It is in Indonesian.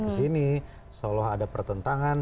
ke sini seolah ada pertentangan